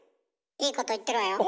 いいこと言ってるわよ。